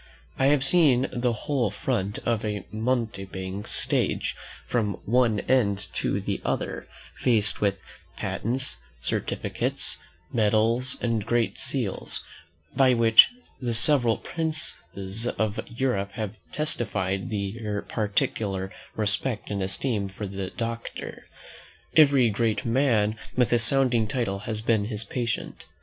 I have seen the whole front of a mountebank's stage from one end to the other, faced with patents, certificates, medals, and great seals, by which the several princes of Europe have testified their particular respect and esteem for the doctor. Every great man with a sounding title has been his patient.